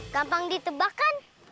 gampang ditebak kan